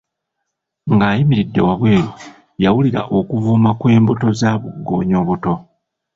Ng'ayimiridde wabweru, yawulira okuvuuma kw' embuto za bugoonya obuto.